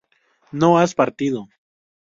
no has partido